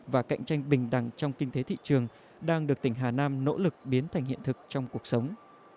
và cạnh tranh bình đẳng trong kinh tế thị trường đang được tỉnh hà nam nỗ lực biến thành hiện thực trong cuộc sống